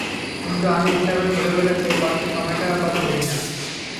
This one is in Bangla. কিন্তু আমি ইচ্ছা করে ছোটবেলার সেই কষ্টের সময়টার কথা ভুলি না।